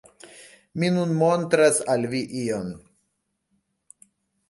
Mi nun montras al vi ion...